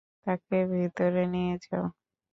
তাকে ভিতরে নিয়ে যাও!